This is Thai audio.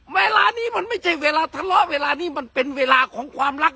เวลานี้มันไม่ใช่เวลาทะเลาะเวลานี้มันเป็นเวลาของความรัก